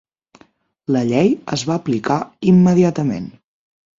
La llei es va aplicar immediatament.